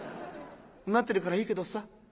なってるからいいけどさ。